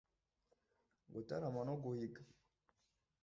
Gutarama no guhiga